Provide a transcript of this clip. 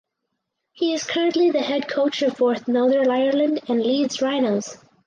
He is currently the head coach of both Northern Ireland and Leeds Rhinos.